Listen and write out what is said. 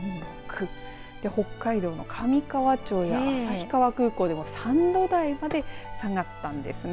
そして北海道の上川町や旭川空港でも３度台まで下がったんですね。